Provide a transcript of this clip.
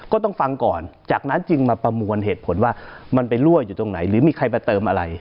ก็ต้องฟังก่อนจากนั้นจึงมาประมวลเหตุผลว่ามันไปรั่วอยู่ตรงไหนหรือมีใครมาเติมอะไร